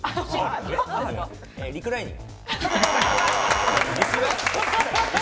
リクライニング。